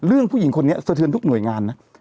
ผู้หญิงคนนี้สะเทือนทุกหน่วยงานนะ